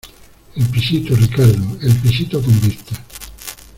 el pisito, Ricardo , el pisito con vistas.